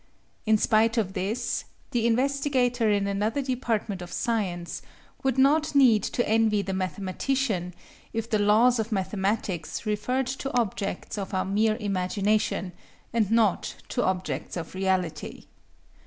In spite of this, the investigator in another department of science would not need to envy the mathematician if the laws of mathematics referred to objects of our mere imagination, and not to objects of reality.